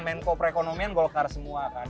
menko pre ekonomian golkar semua kan